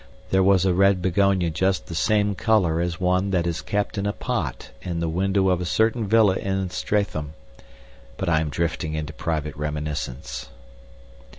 There was a red begonia just the same color as one that is kept in a pot in the window of a certain villa in Streatham but I am drifting into private reminiscence.